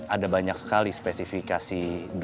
ada banyak sekali spesifikasi